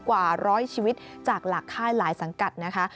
กว่าร้อยชีวิตจากหลักค่ายหลายสังกัดนะคะ